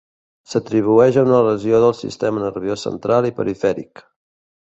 S'atribueix a una lesió del sistema nerviós central i perifèric.